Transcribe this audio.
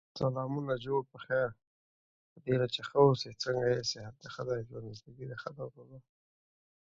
Watch out for cars while you cross the road.